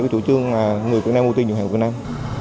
theo chủ trương người việt nam ưu tiên cho hàng việt nam